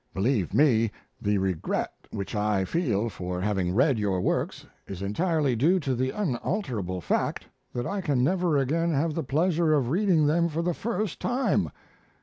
Believe me, the regret which I feel for having read your works is entirely due to the unalterable fact that I can never again have the pleasure of reading them for the first time.